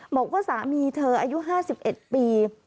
บอกว่าสามีเธออายุ๕๑ปี